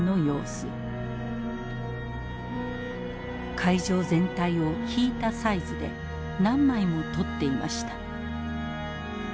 会場全体を引いたサイズで何枚も撮っていました。